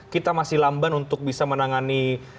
kita masih lamban untuk bisa menangani